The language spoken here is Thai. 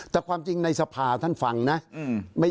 แต่ความจริงในสภาท่านฟังนะ